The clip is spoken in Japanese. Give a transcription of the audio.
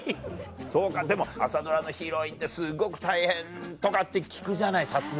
そうかでも朝ドラのヒロインってすっごく大変とかって聞くじゃない撮影が。